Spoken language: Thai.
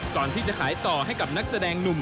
ก่อนที่จะขายต่อให้กับนักแสดงหนุ่ม